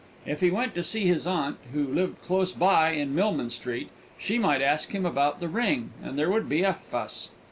If he went to see his aunt, who lived close by in Millman Street, she might ask him about the ring, and there would be a fuss.